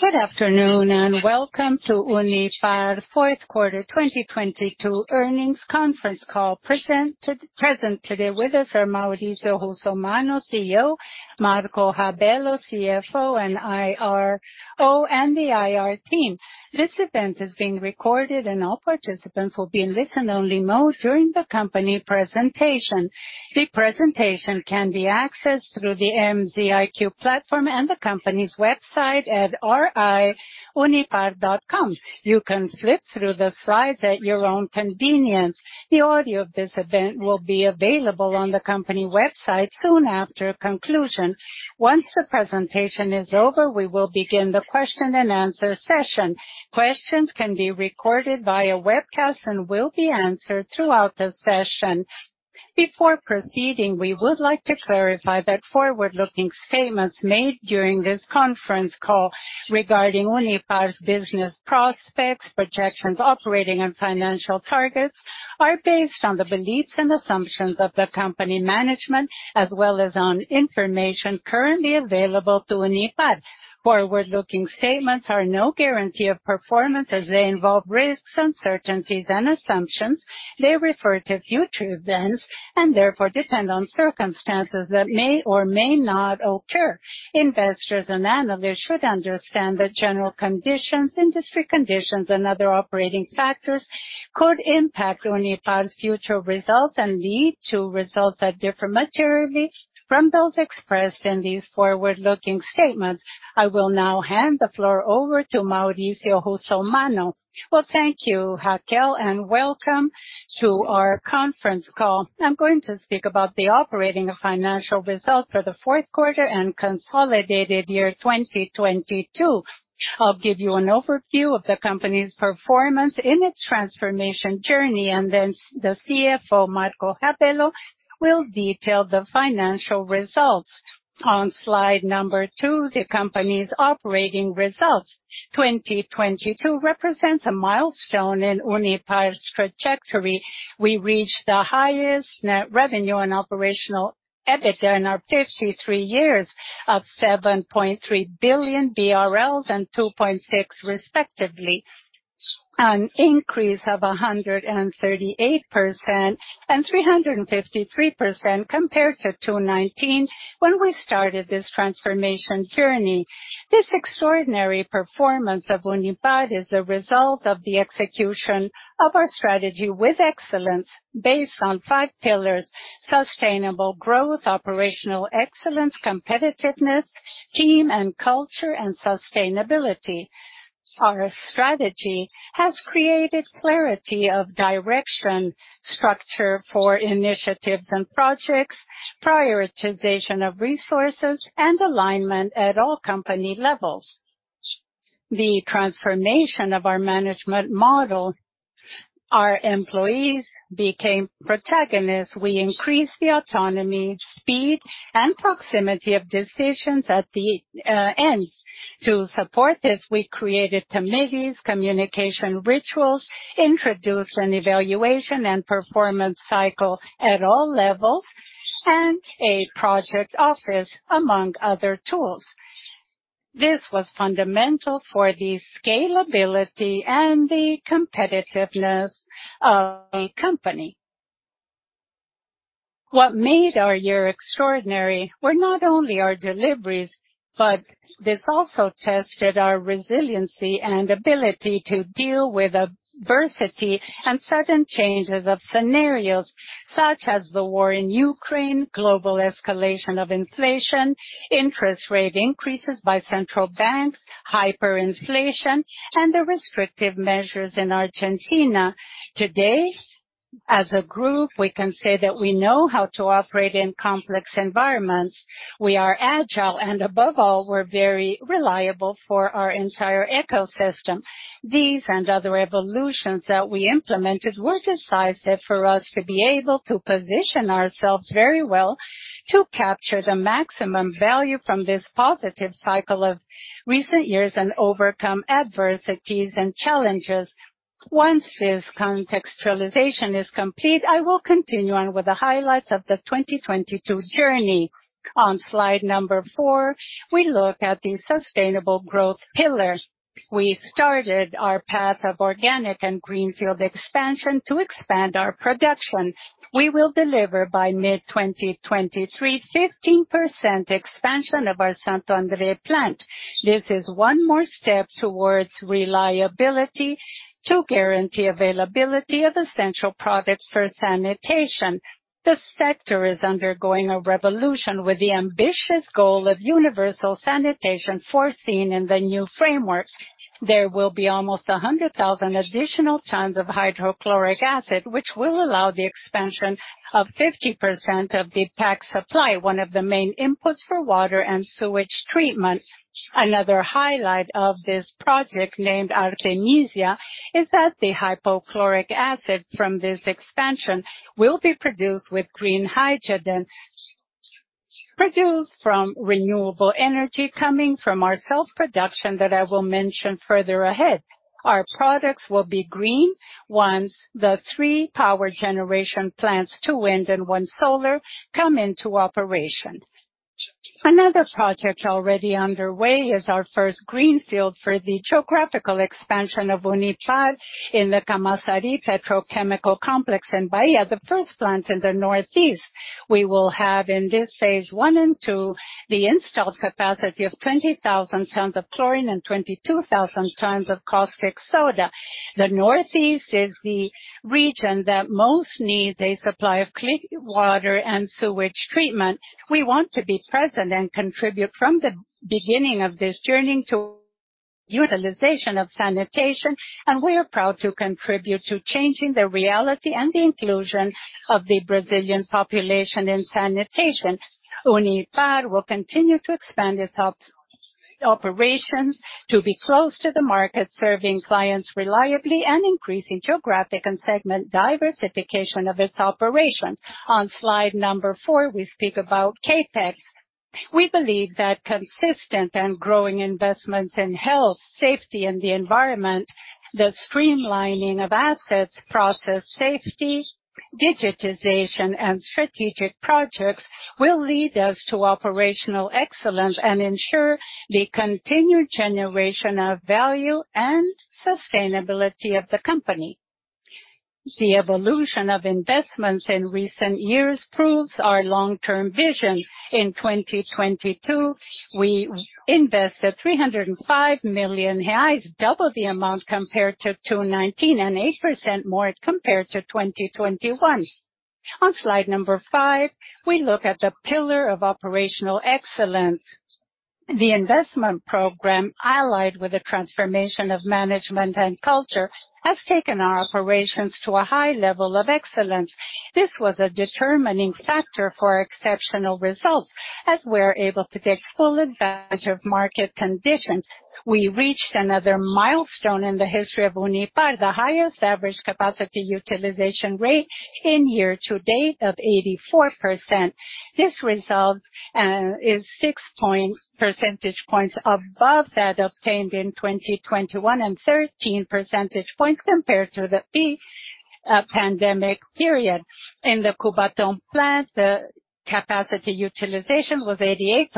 Good afternoon, welcome to Unipar's fourth quarter 2022 earnings conference call. Present today with us are Maurício Russomanno, CEO, Marco Rabello, CFO and IRO, and the IR team. This event is being recorded and all participants will be in listen-only mode during the company presentation. The presentation can be accessed through the MZiQ platform and the company's website at ri.unipar.com. You can flip through the slides at your own convenience. The audio of this event will be available on the company website soon after conclusion. Once the presentation is over, we will begin the question-and-answer session. Questions can be recorded via webcast and will be answered throughout the session. Before proceeding, we would like to clarify that forward-looking statements made during this conference call regarding Unipar's business prospects, projections, operating and financial targets are based on the beliefs and assumptions of the company management as well as on information currently available to Unipar. Forward-looking statements are no guarantee of performance as they involve risks, uncertainties, and assumptions. They refer to future events and therefore depend on circumstances that may or may not occur. Investors and analysts should understand the general conditions, industry conditions, and other operating factors could impact Unipar's future results and lead to results that differ materially from those expressed in these forward-looking statements. I will now hand the floor over to Mauricio Russomanno. Well, thank you, Raquel, and welcome to our conference call. I'm going to speak about the operating and financial results for the fourth quarter and consolidated year 2022. I'll give you an overview of the company's performance in its transformation journey, and then the CFO, Marco Rabello, will detail the financial results. On slide number two, the company's operating results. 2022 represents a milestone in Unipar's trajectory. We reached the highest net revenue and operational EBITDA in our 53 years of 7.3 billion BRL and 2.6 billion respectively. An increase of 138% and 353% compared to 2019 when we started this transformation journey. This extraordinary performance of Unipar is a result of the execution of our strategy with excellence based on five pillars: sustainable growth, operational excellence, competitiveness, team and culture, and sustainability. Our strategy has created clarity of direction, structure for initiatives and projects, prioritization of resources, and alignment at all company levels. The transformation of our management model. Our employees became protagonists. We increased the autonomy, speed, and proximity of decisions at the ends. To support this, we created committees, communication rituals, introduced an evaluation and performance cycle at all levels, and a project office, among other tools. This was fundamental for the scalability and the competitiveness of the company. What made our year extraordinary were not only our deliveries, but this also tested our resiliency and ability to deal with adversity and sudden changes of scenarios, such as the war in Ukraine, global escalation of inflation, interest rate increases by central banks, hyperinflation, and the restrictive measures in Argentina. Today, as a group, we can say that we know how to operate in complex environments. We are agile and above all, we're very reliable for our entire ecosystem. These and other evolutions that we implemented were decisive for us to be able to position ourselves very well to capture the maximum value from this positive cycle of recent years and overcome adversities and challenges. Once this contextualization is complete, I will continue on with the highlights of the 2022 journey. On slide number four, we look at the sustainable growth pillar. We started our path of organic and greenfield expansion to expand our production. We will deliver by mid 2023 15% expansion of our Santo André plant. This is one more step towards reliability to guarantee availability of essential products for sanitation. The sector is undergoing a revolution with the ambitious goal of universal sanitation foreseen in the new framework. There will be almost 100,000 additional tons of hydrochloric acid, which will allow the expansion of 50% of the pack supply, one of the main inputs for water and sewage treatment. Another highlight of this project, named Artemisia, is that the hydrochloric acid from this expansion will be produced with green hydrogen, produced from renewable energy coming from our self-production that I will mention further ahead. Our products will be green once the three power generation plants, two wind and one solar, come into operation. Another project already underway is our first greenfield for the geographical expansion of Unipar in the Camaçari Petrochemical Complex in Bahia, the first plant in the Northeast. We will have in this phase one and two the installed capacity of 20,000 tons of chlorine and 22,000 tons of caustic soda. The Northeast is the region that most needs a supply of clean water and sewage treatment. We want to be present and contribute from the beginning of this journey to utilization of sanitation, and we are proud to contribute to changing the reality and the inclusion of the Brazilian population in sanitation. Unipar will continue to expand its operations to be close to the market, serving clients reliably and increasing geographic and segment diversification of its operations. On slide number four, we speak about CapEx. We believe that consistent and growing investments in health, safety, and the environment, the streamlining of assets, process safety, digitization, and strategic projects will lead us to operational excellence and ensure the continued generation of value and sustainability of the company. The evolution of investments in recent years proves our long-term vision. 2022, we invested 305 million reais, double the amount compared to 2019, and 8% more compared to 2021. On slide number five, we look at the pillar of operational excellence. The investment program, allied with the transformation of management and culture, has taken our operations to a high level of excellence. This was a determining factor for our exceptional results, as we're able to take full advantage of market conditions. We reached another milestone in the history of Unipar, the highest average capacity utilization rate in year to date of 84%. This result is six percentage points above that obtained in 2021 and 13 percentage points compared to the pre-pandemic period. In the Cubatão plant, the capacity utilization was 88%.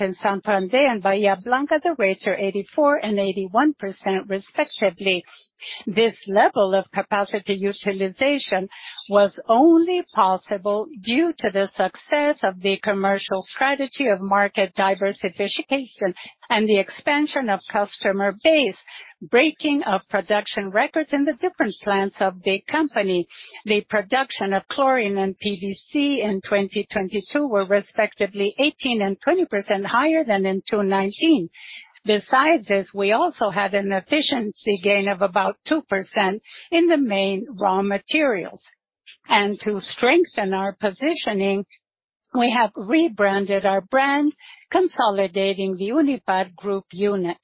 In Indupa and Bahia Blanca, the rates are 84% and 81% respectively. This level of capacity utilization was only possible due to the success of the commercial strategy of market diversification and the expansion of customer base, breaking of production records in the different plants of the company. The production of chlorine and PVC in 2022 were respectively 18 and 20% higher than in 2019. Besides this, we also had an efficiency gain of about 2% in the main raw materials. To strengthen our positioning, we have rebranded our brand, consolidating the Unipar Group unit.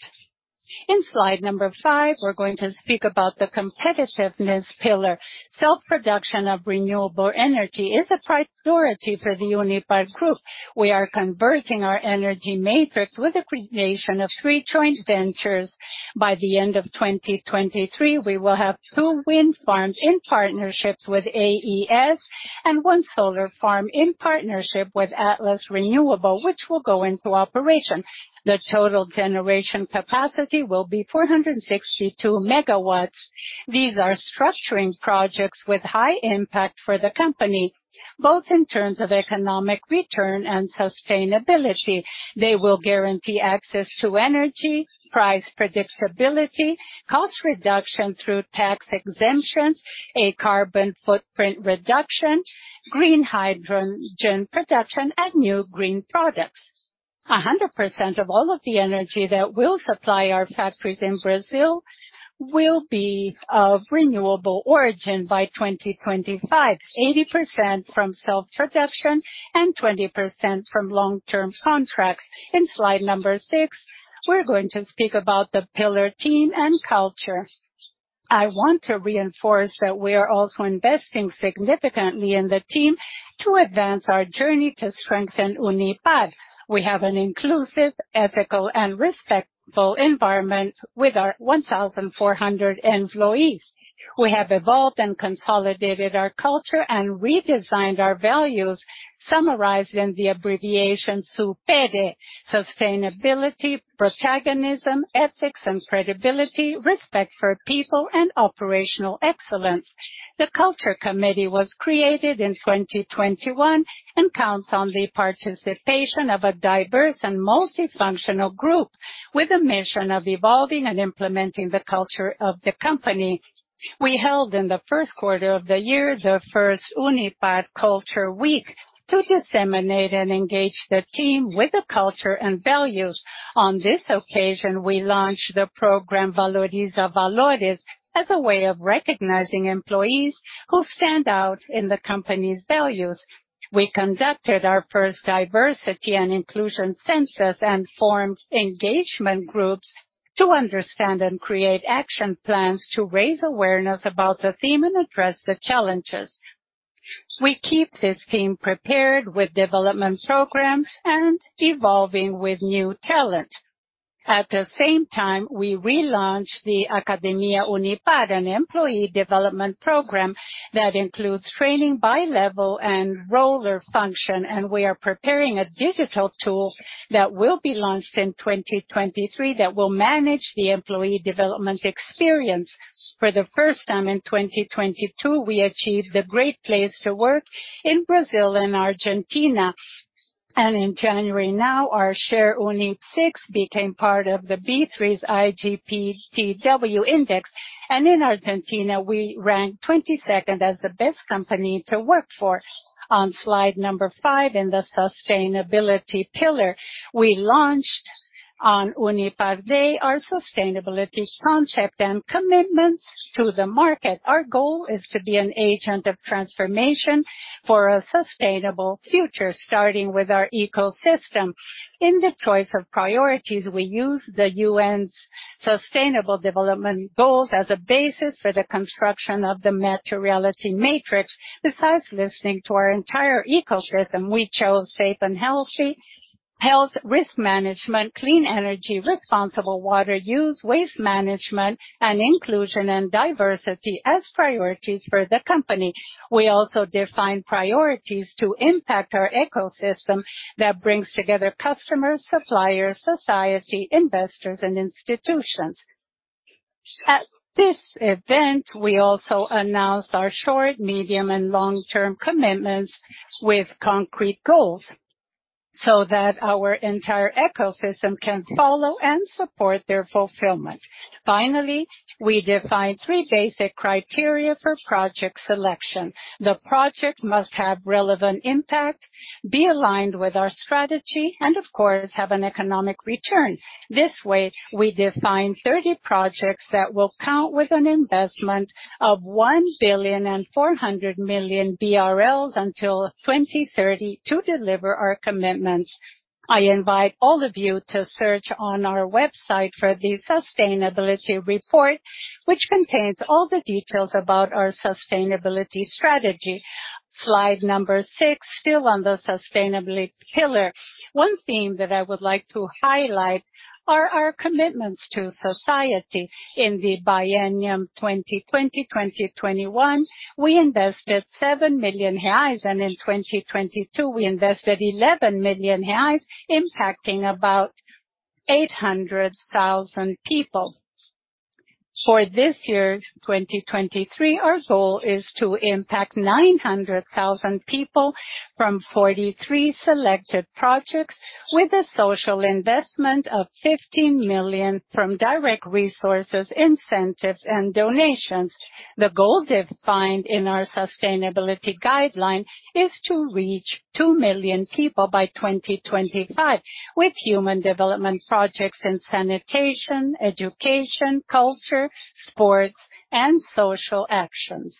In slide number five, we're going to speak about the competitiveness pillar. Self-production of renewable energy is a priority for the Unipar Group. We are converting our energy matrix with the creation of three joint ventures. By the end of 2023, we will have two wind farms in partnerships with AES and one solar farm in partnership with Atlas Renewable, which will go into operation. The total generation capacity will be 462 megawatts. These are structuring projects with high impact for the company, both in terms of economic return and sustainability. They will guarantee access to energy, price predictability, cost reduction through tax exemptions, a carbon footprint reduction, green hydrogen production, and new green products. 100% of all of the energy that will supply our factories in Brazil will be of renewable origin by 2025, 80% from self-production and 20% from long-term contracts. In slide number 6, we're going to speak about the pillar team and culture. I want to reinforce that we are also investing significantly in the team to advance our journey to strengthen Unipar. We have an inclusive, ethical, and respectful environment with our 1,400 employees. We have evolved and consolidated our culture and redesigned our values, summarized in the abbreviation SUPERE: Sustainability, Protagonism, Ethics and Credibility, Respect for People, and Operational Excellence. The culture committee was created in 2021 and counts on the participation of a diverse and multifunctional group with a mission of evolving and implementing the culture of the company. We held in the first quarter of the year the first Unipar Culture Week to disseminate and engage the team with the culture and values. On this occasion, we launched the program Valoriza Valores as a way of recognizing employees who stand out in the company's values. We conducted our first diversity and inclusion census and formed engagement groups to understand and create action plans to raise awareness about the theme and address the challenges. We keep this team prepared with development programs and evolving with new talent. At the same time, we relaunched the Academia Unipar, an employee development program that includes training by level and role or function, and we are preparing a digital tool that will be launched in 2023 that will manage the employee development experience. For the first time in 2022, we achieved the Great Place to Work in Brazil and Argentina. In January now, our share UNIP6 became part of the B3's IGPTW index. In Argentina, we ranked 22nd as the best company to work for. On slide number five, in the sustainability pillar, we launched on Unipar Day our sustainability concept and commitments to the market. Our goal is to be an agent of transformation for a sustainable future, starting with our ecosystem. In the choice of priorities, we use the UN's sustainable development goals as a basis for the construction of the materiality matrix. Besides listening to our entire ecosystem, we chose safe and healthy health risk management, clean energy, responsible water use, waste management, and inclusion and diversity as priorities for the company. We defined priorities to impact our ecosystem that brings together customers, suppliers, society, investors, and institutions. At this event, we announced our short, medium, and long-term commitments with concrete goals so that our entire ecosystem can follow and support their fulfillment. We defined three basic criteria for project selection. The project must have relevant impact, be aligned with our strategy, and of course, have an economic return. We defined 30 projects that will count with an investment of 1.4 billion until 2030 to deliver our commitments. I invite all of you to search on our website for the sustainability report, which contains all the details about our sustainability strategy. Slide number six, still on the sustainability pillar. One theme that I would like to highlight are our commitments to society. In the biennium 2020/2021, we invested seven million reais, and in 2022, we invested 11 million reais, impacting about 800,000 people. For this year's 2023, our goal is to impact 900,000 people from 43 selected projects with a social investment of 15 million from direct resources, incentives, and donations. The goal defined in our sustainability guideline is to reach two million people by 2025 with human development projects in sanitation, education, culture, sports, and social actions.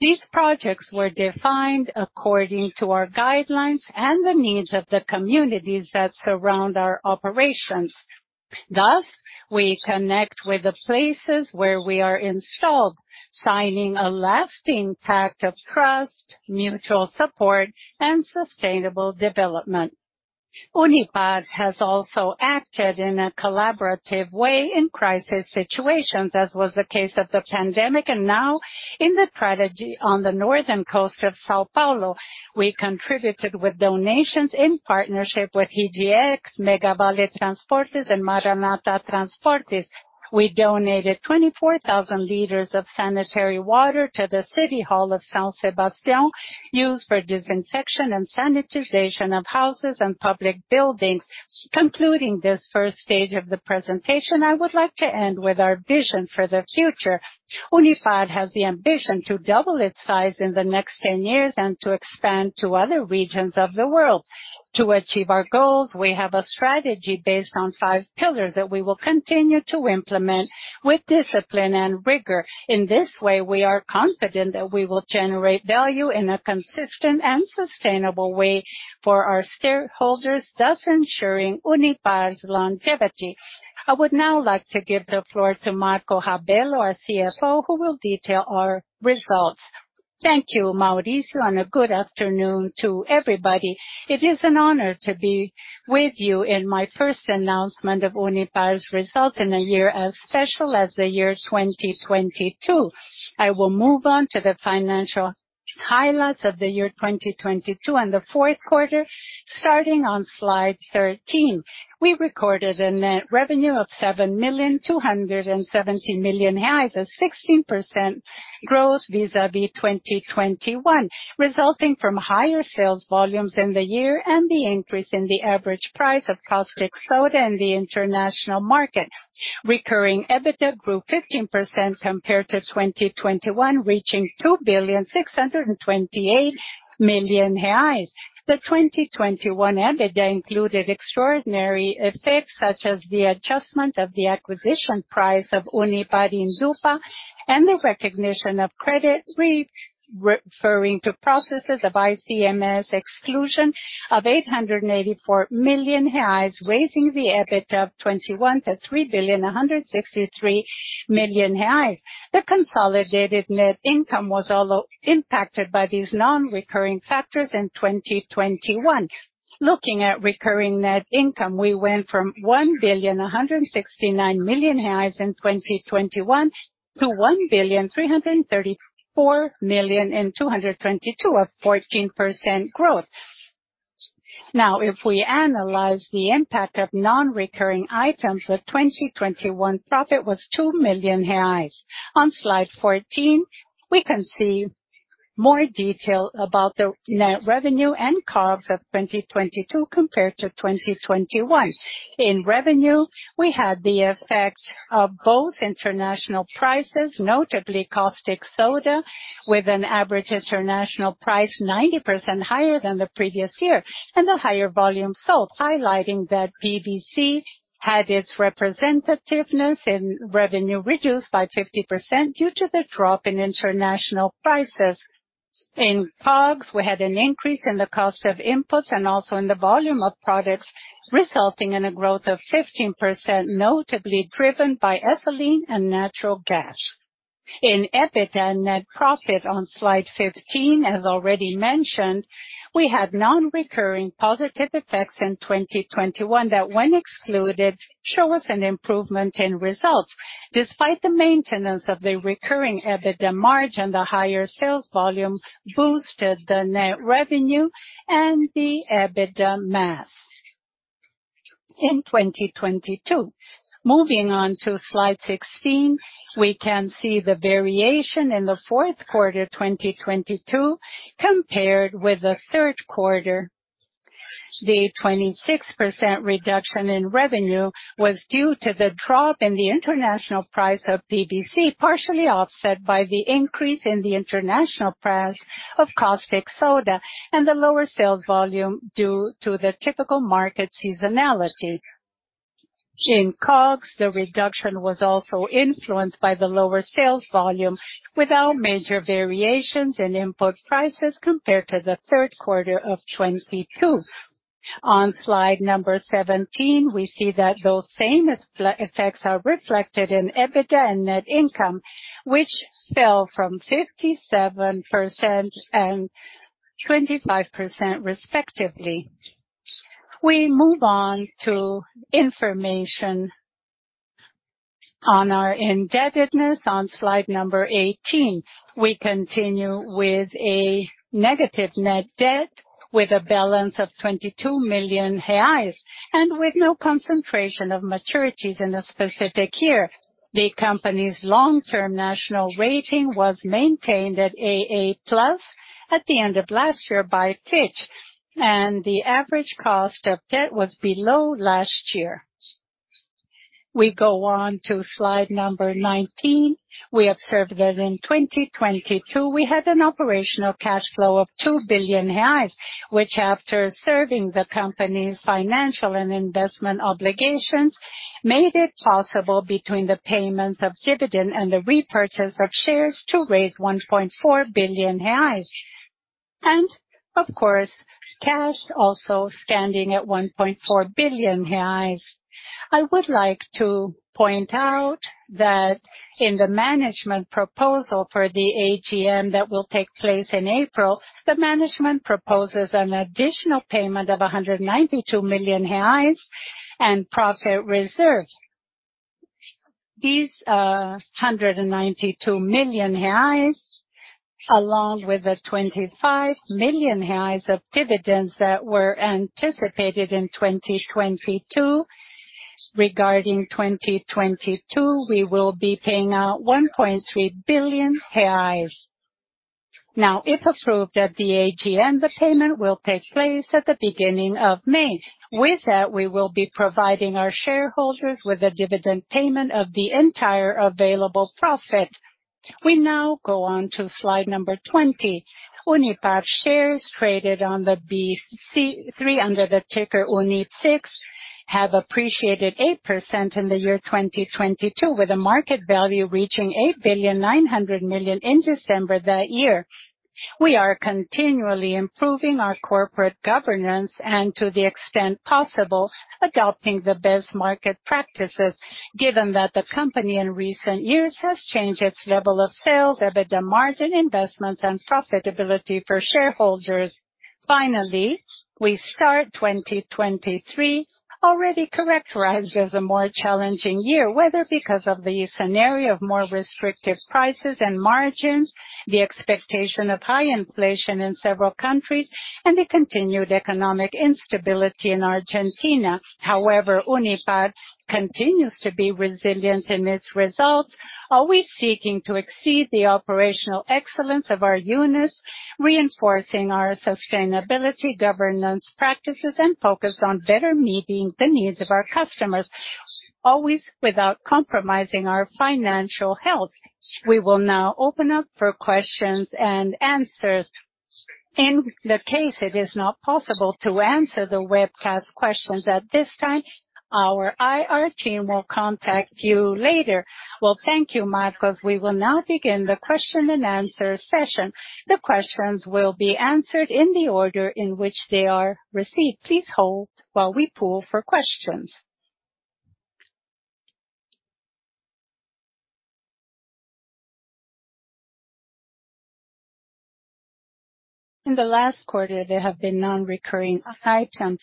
These projects were defined according to our guidelines and the needs of the communities that surround our operations. Thus, we connect with the places where we are installed, signing a lasting pact of trust, mutual support, and sustainable development. Unipar has also acted in a collaborative way in crisis situations, as was the case of the pandemic and now in the tragedy on the northern coast of São Paulo. We contributed with donations in partnership with RGX, Megavale Transportes, and Maranata Transportes. We donated 24,000 liters of sanitary water to the City Hall of São Sebastião, used for disinfection and sanitization of houses and public buildings. Concluding this 1st stage of the presentation, I would like to end with our vision for the future. Unipar has the ambition to double its size in the next 10 years and to expand to other regions of the world. To achieve our goals, we have a strategy based on five pillars that we will continue to implement with discipline and rigor. In this way, we are confident that we will generate value in a consistent and sustainable way for our stakeholders, thus ensuring Unipar's longevity. I would now like to give the floor to Marco Rabello, our CFO, who will detail our results. Thank you, Maurício, and a good afternoon to everybody. It is an honor to be with you in my first announcement of Unipar's results in a year as special as the year 2022. I will move on to the financial highlights of the year 2022 and the fourth quarter, starting on slide 13. We recorded a net revenue of 7,270 million, a 16% growth vis-à-vis 2021, resulting from higher sales volumes in the year and the increase in the average price of caustic soda in the international market. Recurring EBITDA grew 15% compared to 2021, reaching 2,628 million reais. The 2021 EBITDA included extraordinary effects such as the adjustment of the acquisition price of Unipar and the recognition of credit re-referring to processes of ICMS exclusion of 884 million reais, raising the EBITDA of 2021 to 3,163 million reais. The consolidated net income was also impacted by these non-recurring factors in 2021. Looking at recurring net income, we went from 1.169 billion in 2021 to 1.334 billion in 2022, a 14% growth. If we analyze the impact of non-recurring items, the 2021 profit was two million reais. On slide 14, we can see more detail about the net revenue and COGS of 2022 compared to 2021. In revenue, we had the effect of both international prices, notably caustic soda, with an average international price 90% higher than the previous year, and the higher volume sold, highlighting that PVC had its representativeness in revenue reduced by 50% due to the drop in international prices. In COGS, we had an increase in the cost of inputs and also in the volume of products, resulting in a growth of 15%, notably driven by ethylene and natural gas. In EBITDA net profit on slide 15, as already mentioned, we had non-recurring positive effects in 2021 that, when excluded, show us an improvement in results. Despite the maintenance of the recurring EBITDA margin, the higher sales volume boosted the net revenue and the EBITDA mass in 2022. Moving on to slide 16, we can see the variation in Q4 2022 compared with Q3. The 26% reduction in revenue was due to the drop in the international price of PVC, partially offset by the increase in the international price of caustic soda and the lower sales volume due to the typical market seasonality. In COGS, the reduction was also influenced by the lower sales volume without major variations in input prices compared to the third quarter of 2022. On slide number 17, we see that those same effects are reflected in EBITDA and net income, which fell from 57% and 25% respectively. We move on to information on our indebtedness on slide number 18. We continue with a negative net debt with a balance of 22 million reais and with no concentration of maturities in a specific year. The company's long-term national rating was maintained at AA+ at the end of last year by Fitch, the average cost of debt was below last year. We go on to slide number 19. We observed that in 2022 we had an operational cash flow of two billion reais, which after serving the company's financial and investment obligations, made it possible between the payments of dividend and the repurchase of shares to raise 1.4 billion reais. Of course, cash also standing at 1.4 billion reais. I would like to point out that in the management proposal for the AGM that will take place in April, the management proposes an additional payment of 192 million reais and profit reserve. These 192 million reais, along with the 25 million reais of dividends that were anticipated in 2022. Regarding 2022, we will be paying out 1.3 billion reais. If approved at the AGM, the payment will take place at the beginning of May. We will be providing our shareholders with a dividend payment of the entire available profit. We now go on to slide number 20. Unipar shares traded on the B3 under the ticker UNIP6 have appreciated 8% in the year 2022, with a market value reaching 8.9 billion in December that year. We are continually improving our corporate governance and to the extent possible, adopting the best market practices, given that the company in recent years has changed its level of sales, EBITDA margin investments and profitability for shareholders. We start 2023 already characterized as a more challenging year, whether because of the scenario of more restrictive prices and margins, the expectation of high inflation in several countries and the continued economic instability in Argentina. However, Unipar continues to be resilient in its results, always seeking to exceed the operational excellence of our units, reinforcing our sustainability governance practices, and focus on better meeting the needs of our customers, always without compromising our financial health. We will now open up for questions and answers. In the case it is not possible to answer the webcast questions at this time, our IR team will contact you later. Well, thank you, Marco. We will now begin the question-and-answer session. The questions will be answered in the order in which they are received. Please hold while we poll for questions. In the last quarter, there have been non-recurring items.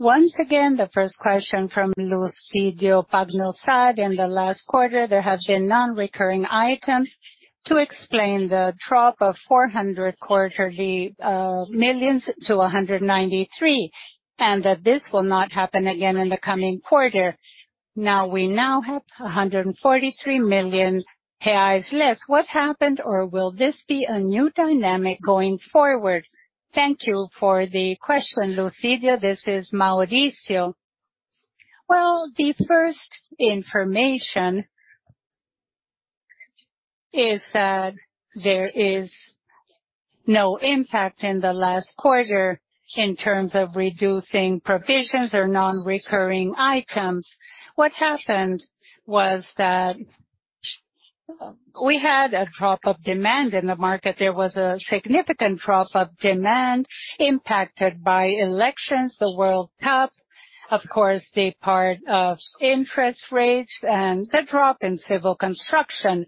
Once again, the first question from Luccidio Pagnussat. In the last quarter, there have been non-recurring items to explain the drop of 400 million to 193. This will not happen again in the coming quarter. We now have 143 million reais less. What happened or will this be a new dynamic going forward? Thank you for the question, Lucídio. This is Maurício. The first information is that there is no impact in the last quarter in terms of reducing provisions or non-recurring items. What happened was that we had a drop of demand in the market. There was a significant drop of demand impacted by elections, the World Cup, of course, the part of interest rates and the drop in civil construction.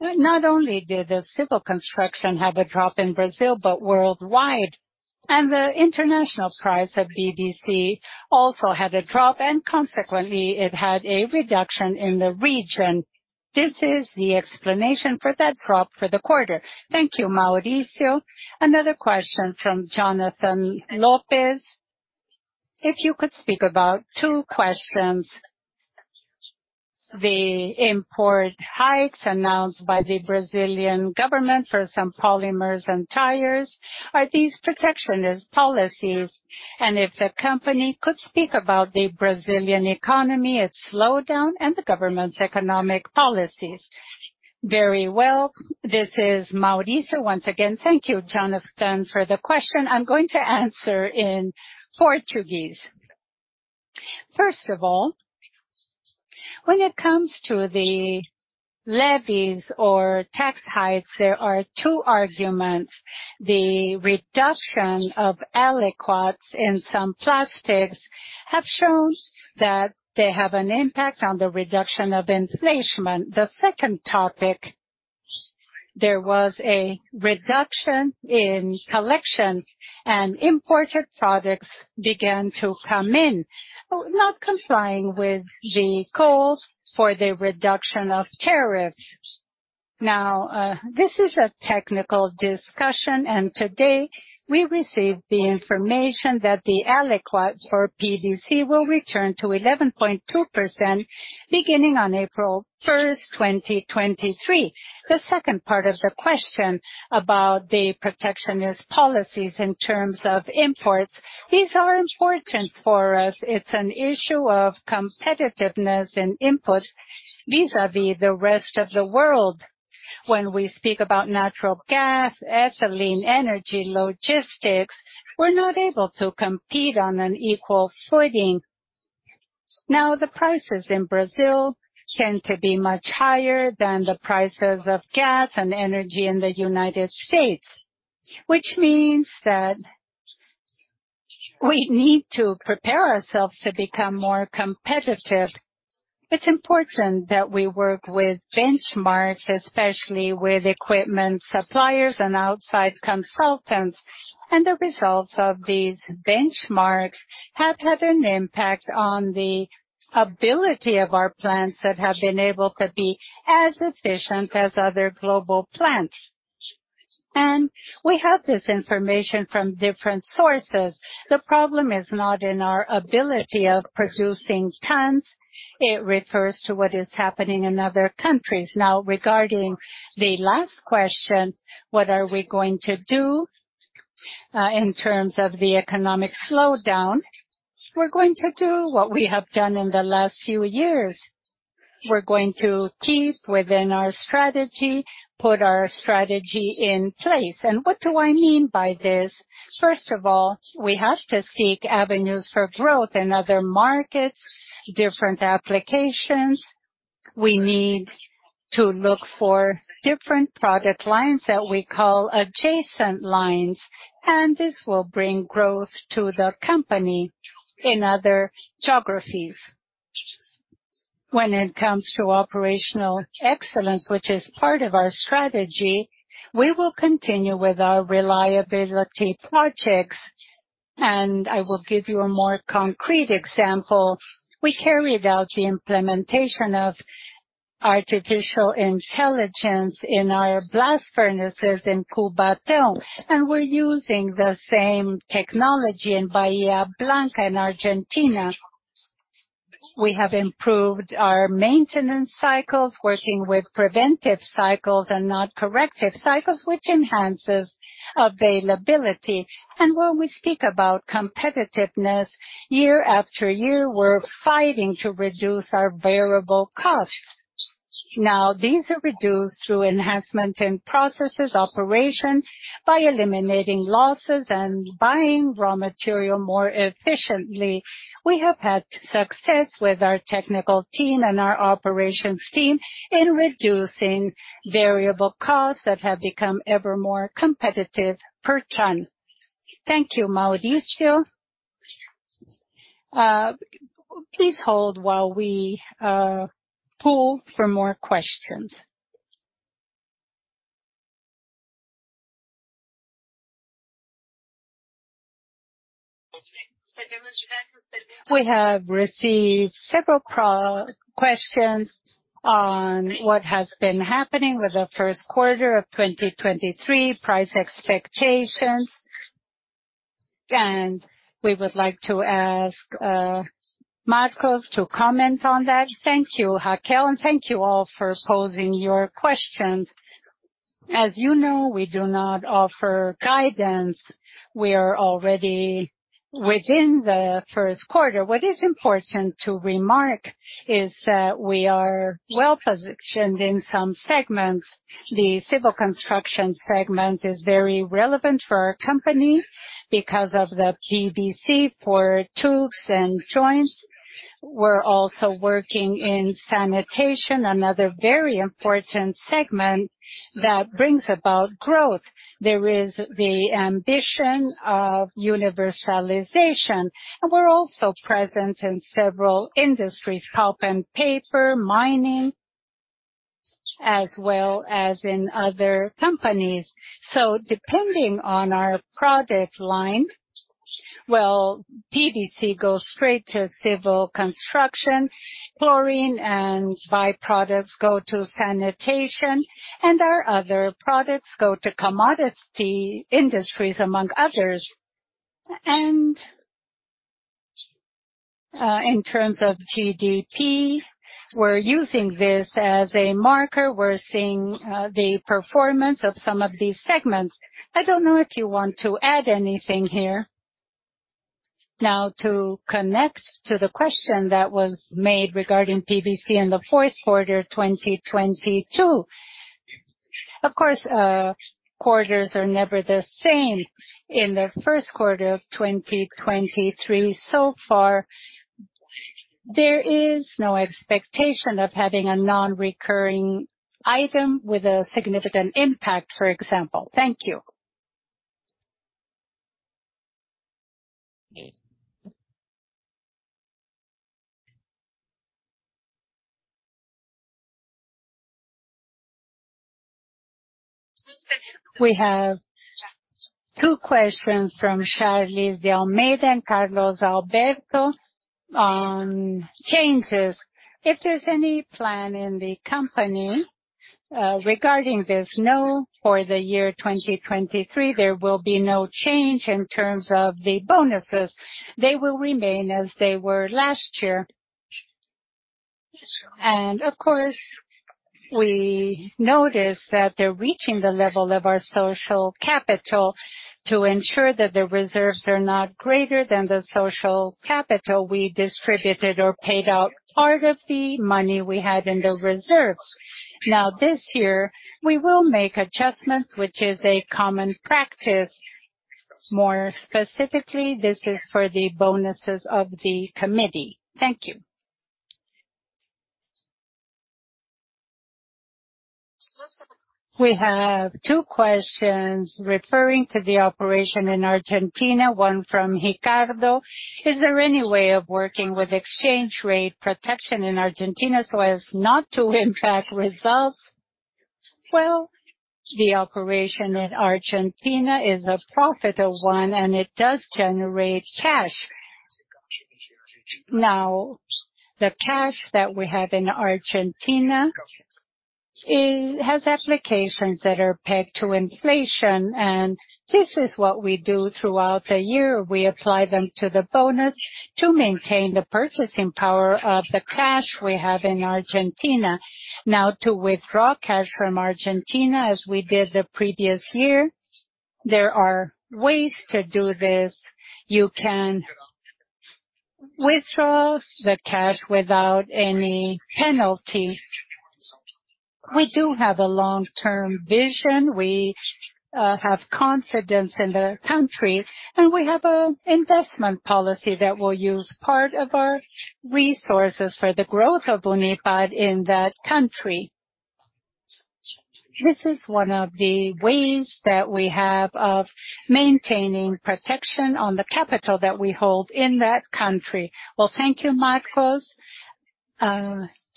Not only did the civil construction have a drop in Brazil, but worldwide. The international price of EDC also had a drop, and consequently, it had a reduction in the region. This is the explanation for that drop for the quarter. Thank you, Maurício. Another question from Jonathan Lopez. If you could speak about two questions. The import hikes announced by the Brazilian government for some polymers and tires. Are these protectionist policies? If the company could speak about the Brazilian economy, its slowdown, and the government's economic policies. Very well. This is Maurício once again. Thank you, Jonathan, for the question. I'm going to answer in Portuguese. First of all, when it comes to the levies or tax hikes, there are two arguments. The reduction of aliquots in some plastics have shown that they have an impact on the reduction of inflation. The second topic, there was a reduction in collection and imported products began to come in, not complying with the calls for the reduction of tariffs. This is a technical discussion, and today we received the information that the aliquot for EDC will return to 11.2% beginning on April 1st, 2023. The second part of the question about the protectionist policies in terms of imports. These are important for us. It's an issue of competitiveness and inputs vis-à-vis the rest of the world. When we speak about natural gas, ethylene, energy, logistics, we're not able to compete on an equal footing. The prices in Brazil tend to be much higher than the prices of gas and energy in the United States, which means that we need to prepare ourselves to become more competitive. It's important that we work with benchmarks, especially with equipment suppliers and outside consultants. The results of these benchmarks have had an impact on the ability of our plants that have been able to be as efficient as other global plants. We have this information from different sources. The problem is not in our ability of producing tons. It refers to what is happening in other countries. Regarding the last question, what are we going to do in terms of the economic slowdown? We're going to do what we have done in the last few years. We're going to keep within our strategy, put our strategy in place. What do I mean by this? First of all, we have to seek avenues for growth in other markets, different applications. We need to look for different product lines that we call adjacent lines, this will bring growth to the company in other geographies. When it comes to operational excellence, which is part of our strategy, we will continue with our reliability projects. I will give you a more concrete example. We carried out the implementation of artificial intelligence in our blast furnaces in Cubatão, and we're using the same technology in Bahía Blanca in Argentina. We have improved our maintenance cycles, working with preventive cycles and not corrective cycles, which enhances availability. When we speak about competitiveness, year after year, we're fighting to reduce our variable costs. These are reduced through enhancement in processes, operations, by eliminating losses and buying raw material more efficiently. We have had success with our technical team and our operations team in reducing variable costs that have become ever more competitive per ton. Thank you, Maurício. Please hold while we pull for more questions. We have received several questions on what has been happening with the first quarter of 2023 price expectations. We would like to ask Marco to comment on that. Thank you, Raquel, and thank you all for posing your questions. As you know, we do not offer guidance. We are already within the first quarter. What is important to remark is that we are well-positioned in some segments. The civil construction segment is very relevant for our company because of the PVC for tubes and joints. We're also working in sanitation, another very important segment that brings about growth. There is the ambition of universalization. We're also present in several industries, pulp and paper, mining, as well as in other companies. Depending on our product line, well, PVC goes straight to civil construction, chlorine and byproducts go to sanitation, and our other products go to commodity industries, among others. In terms of GDP, we're using this as a marker. We're seeing the performance of some of these segments. I don't know if you want to add anything here? Now, to connect to the question that was made regarding PVC in the fourth quarter, 2022. Of course, quarters are never the same. In the first quarter of 2023 so far, there is no expectation of having a non-recurring item with a significant impact, for example. Thank you. We have two questions from Charles de Almeida and Carlos Alberto on changes. If there's any plan in the company regarding this? No, for the year 2023, there will be no change in terms of the bonuses. They will remain as they were last year. Of course, we noticed that they're reaching the level of our social capital. To ensure that the reserves are not greater than the social capital, we distributed or paid out part of the money we had in the reserves. This year, we will make adjustments, which is a common practice. More specifically, this is for the bonuses of the committee. Thank you. We have two questions referring to the operation in Argentina, one from Ricardo: Is there any way of working with exchange rate protection in Argentina so as not to impact results? Well, the operation in Argentina is a profitable one, and it does generate cash. The cash that we have in Argentina has applications that are pegged to inflation. This is what we do throughout the year. We apply them to the bonus to maintain the purchasing power of the cash we have in Argentina. To withdraw cash from Argentina as we did the previous year, there are ways to do this. You can withdraw the cash without any penalty. We have confidence in the country. We have a investment policy that will use part of our resources for the growth of Unipar in that country. This is one of the ways that we have of maintaining protection on the capital that we hold in that country. Well, thank you, Marco.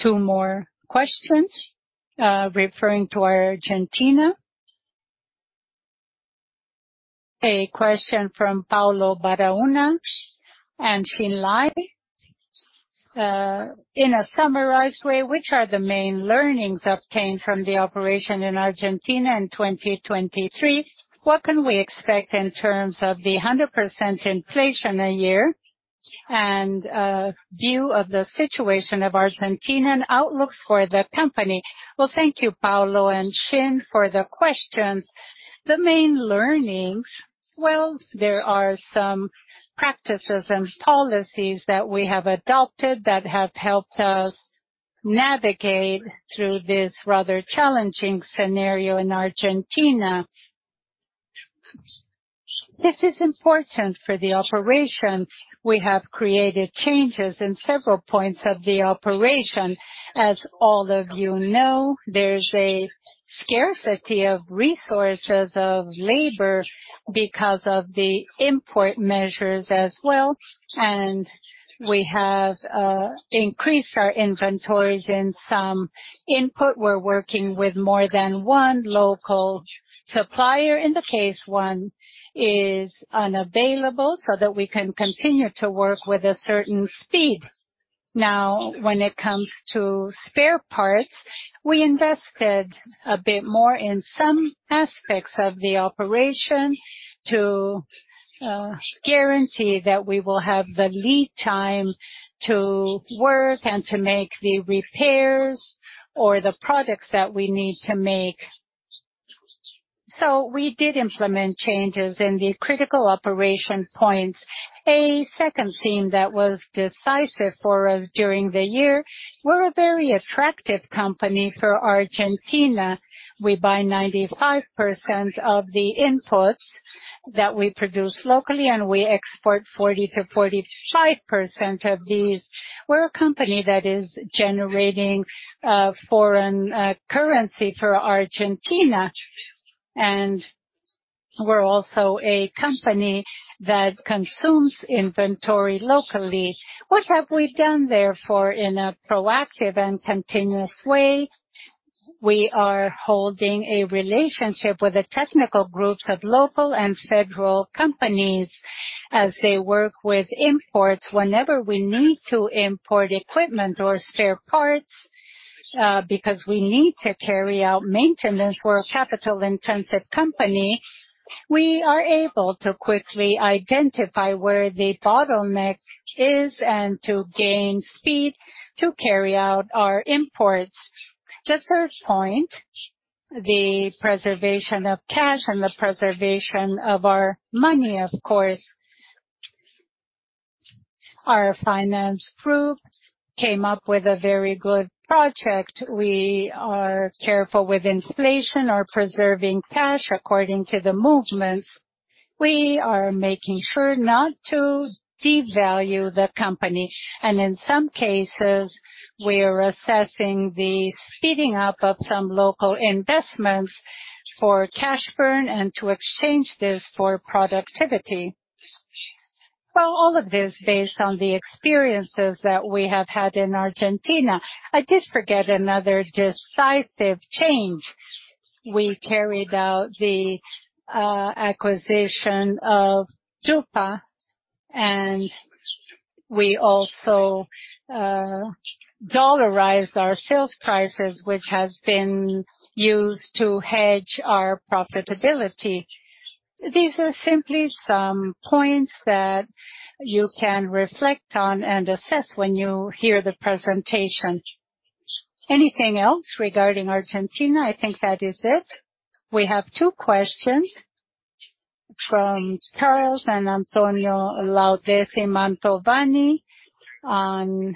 Two more questions referring to Argentina. A question from Paulo Barba and Shin Lai. In a summarized way, which are the main learnings obtained from the operation in Argentina in 2023? What can we expect in terms of the 100% inflation a year and view of the situation of Argentina and outlooks for the company? Well, thank you, Paulo and Shin, for the questions. The main learnings, well, there are some practices and policies that we have adopted that have helped us navigate through this rather challenging scenario in Argentina. This is important for the operation. We have created changes in several points of the operation. As all of you know, there's a scarcity of resources of labor because of the import measures as well. We have increased our inventories in some input. We're working with more than one local supplier in the case one is unavailable so that we can continue to work with a certain speed. When it comes to spare parts, we invested a bit more in some aspects of the operation to guarantee that we will have the lead time to work and to make the repairs or the products that we need to make. We did implement changes in the critical operation points. A second theme that was decisive for us during the year, we're a very attractive company for Argentina. We buy 95% of the inputs that we produce locally, and we export 40%-45% of these. We're a company that is generating foreign currency for Argentina, and we're also a company that consumes inventory locally. What have we done therefore in a proactive and continuous way? We are holding a relationship with the technical groups of local and federal companies as they work with imports. Whenever we need to import equipment or spare parts, because we need to carry out maintenance for a capital-intensive company, we are able to quickly identify where the bottleneck is and to gain speed to carry out our imports. The third point, the preservation of cash and the preservation of our money, of course. Our finance group came up with a very good project. We are careful with inflation or preserving cash according to the movements. We are making sure not to devalue the company, and in some cases, we are assessing the speeding up of some local investments for cash burn and to exchange this for productivity. All of this based on the experiences that we have had in Argentina. I did forget another decisive change. We carried out the acquisition of uncertain, we also dollarized our sales prices, which has been used to hedge our profitability. These are simply some points that you can reflect on and assess when you hear the presentation. Anything else regarding Argentina? I think that is it. We have two questions from Charles and Antonio Guedes Montovani on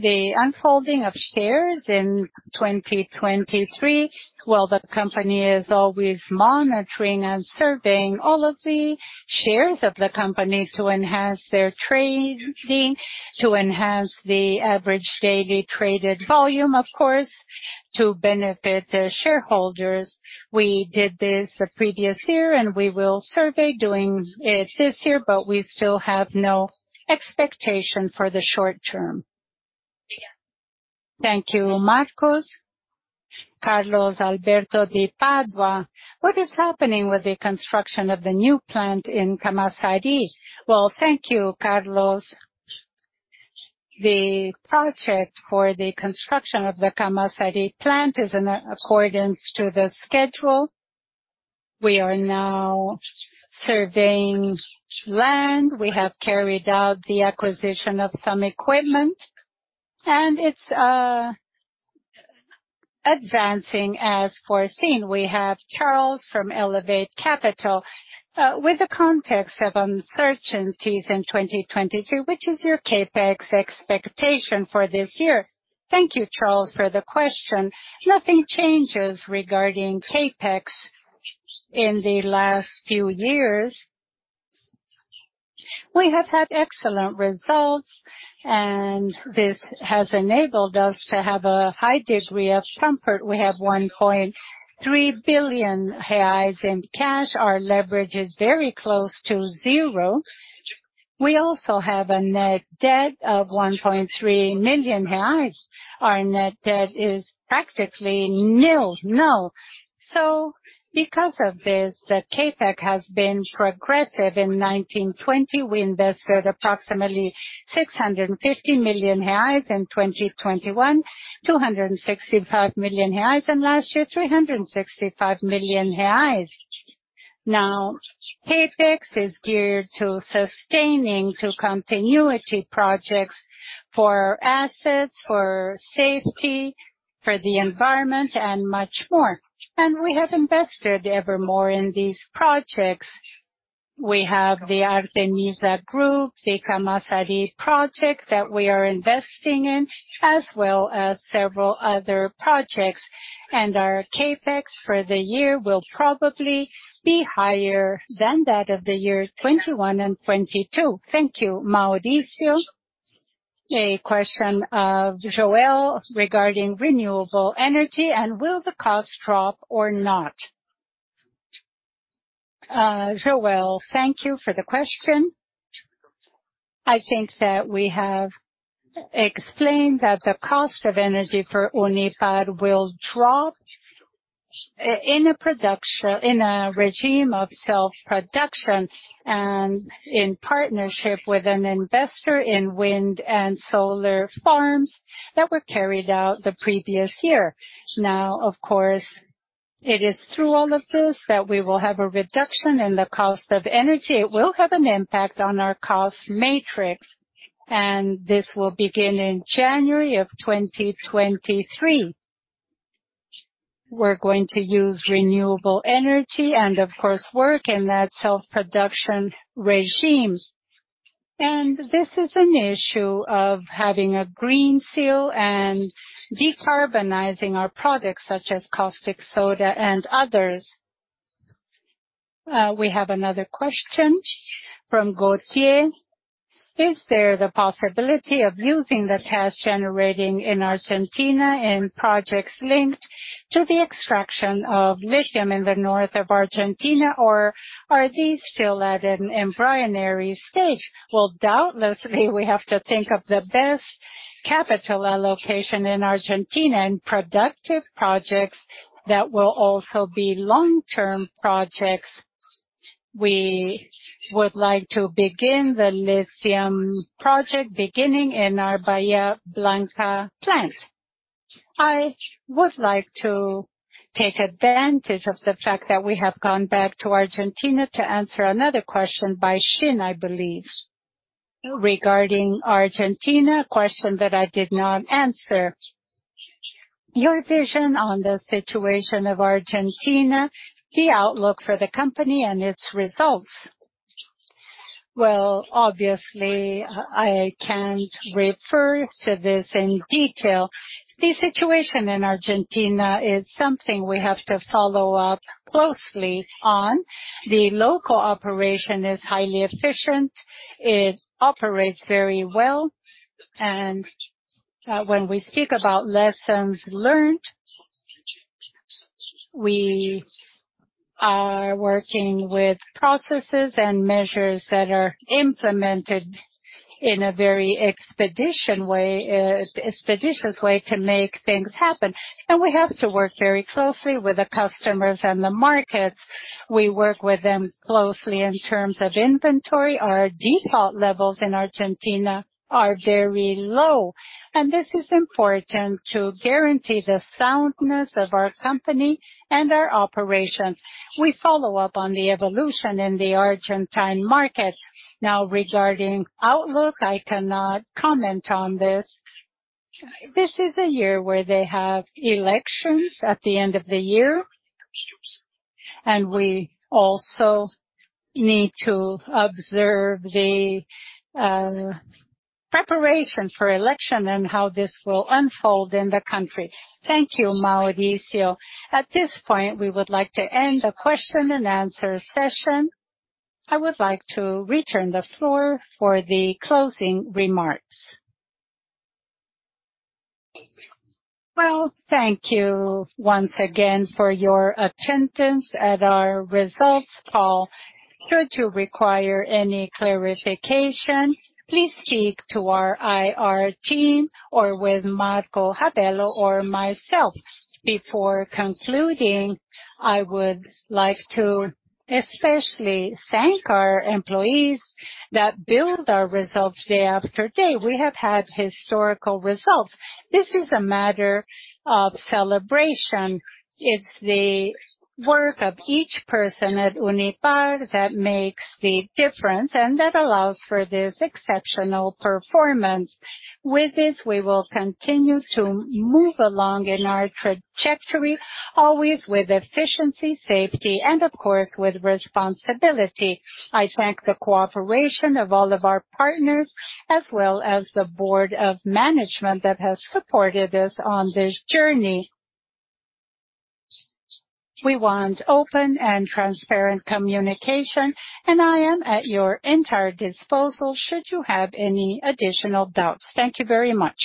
the unfolding of shares in 2023. The company is always monitoring and surveying all of the shares of the company to enhance their trading, to enhance the average daily traded volume, of course, to benefit the shareholders. We did this the previous year, we will survey doing it this year, we still have no expectation for the short term. Thank you, Marco. Carlos Alberto de Padua, "What is happening with the construction of the new plant in Camaçari?" Thank you, Carlos. The project for the construction of the Camaçari plant is in accordance to the schedule. We are now surveying land. We have carried out the acquisition of some equipment, and it's advancing as foreseen. We have Charles from Elevate Capital. With the context of uncertainties in 2022, which is your CapEx expectation for this year? Thank you, Charles, for the question. Nothing changes regarding CapEx. In the last few years, we have had excellent results, and this has enabled us to have a high degree of comfort. We have 1.3 billion reais in cash. Our leverage is very close to zero. We also have a net debt of 1.3 million reais. Our net debt is practically nil. Null. Because of this, the CapEx has been progressive. In 1920, we invested approximately 650 million reais. In 2021, 265 million reais. Last year, 365 million reais. CapEx is geared to sustaining continuity projects for assets, for safety, for the environment, and much more. We have invested evermore in these projects. We have the Project Artemisia, the Camaçari project that we are investing in, as well as several other projects. Our CapEx for the year will probably be higher than that of 2021 and 2022. Thank you, Maurício. A question of Joel regarding renewable energy and will the cost drop or not? Joel, thank you for the question. I think that we have explained that the cost of energy for Unipar will drop in a regime of self-production and in partnership with an investor in wind and solar farms that were carried out the previous year. Of course, it is through all of this that we will have a reduction in the cost of energy. It will have an impact on our cost matrix. This will begin in January of 2023. We're going to use renewable energy and of course work in that self-production regimes. This is an issue of having a green seal and decarbonizing our products such as caustic soda and others. We have another question from Gauthier. Is there the possibility of using the cash generating in Argentina in projects linked to the extraction of lithium in the north of Argentina, or are these still at an embryonic stage? Well, doubtlessly, we have to think of the best capital allocation in Argentina and productive projects that will also be long-term projects. We would like to begin the lithium project beginning in our Bahia Blanca plant. I would like to take advantage of the fact that we have gone back to Argentina to answer another question by Shin, I believe, regarding Argentina, a question that I did not answer. Your vision on the situation of Argentina, the outlook for the company and its results. Well, obviously, I can't refer to this in detail. The situation in Argentina is something we have to follow up closely on. The local operation is highly efficient. It operates very well. When we speak about lessons learned, we are working with processes and measures that are implemented in a very expeditious way to make things happen. We have to work very closely with the customers and the markets. We work with them closely in terms of inventory. Our default levels in Argentina are very low. This is important to guarantee the soundness of our company and our operations. We follow up on the evolution in the Argentine market. Regarding outlook, I cannot comment on this. This is a year where they have elections at the end of the year, and we also need to observe the preparation for election and how this will unfold in the country. Thank you, Mauricio. At this point, we would like to end the question and answer session. I would like to return the floor for the closing remarks. Thank you once again for your attendance at our results call. Should you require any clarification, please speak to our IR team or with Marco Rabello or myself. Before concluding, I would like to especially thank our employees that build our results day after day. We have had historical results. This is a matter of celebration. It's the work of each person at Unipar that makes the difference and that allows for this exceptional performance. With this, we will continue to move along in our trajectory, always with efficiency, safety, and of course with responsibility. I thank the cooperation of all of our partners as well as the board of management that has supported us on this journey. We want open and transparent communication, and I am at your entire disposal should you have any additional doubts. Thank you very much.